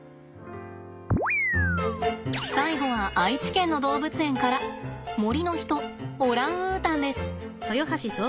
最後は愛知県の動物園から森の人オランウータンです。